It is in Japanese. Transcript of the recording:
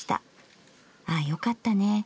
『ああよかったね』